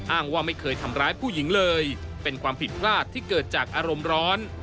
ว่าไม่เคยทำร้ายผู้หญิงเลยเป็นความผิดพลาดที่เกิดจากอารมณ์ร้อน